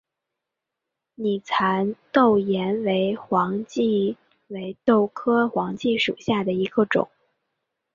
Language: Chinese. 拟蚕豆岩黄耆为豆科岩黄耆属下的一个种。